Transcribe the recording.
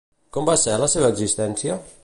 Com va ser la seva existència?